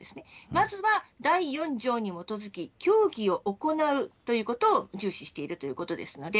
まずは第４条に基づく協議を行うことを重視しているということです。